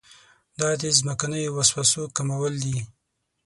دا د ځمکنیو وسوسو کمول دي.